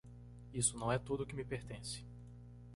Isso não é tudo que me pertence.